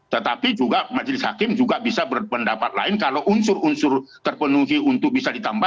tetapi juga majelis hakim juga bisa berpendapat lain kalau unsur unsur terpenuhi untuk bisa ditambah